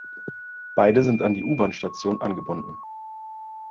Beide sind an die U-Bahn-Station angebunden.